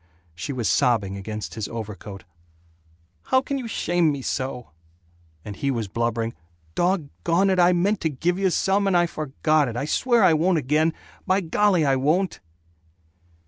She was sobbing against his overcoat, "How can you shame me so?" and he was blubbering, "Dog gone it, I meant to give you some, and I forgot it. I swear I won't again. By golly I won't!"